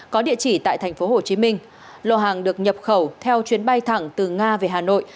có địa chỉ tại tp hcm lô hàng được nhập khẩu theo chuyến bay thẳng từ nga về hà nội